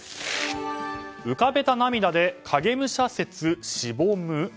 浮かべた涙で影武者説しぼむ？